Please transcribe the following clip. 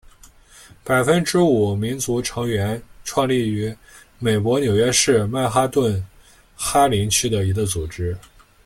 百分之五民族成员创立于美国纽约市曼哈顿哈林区的一个组织。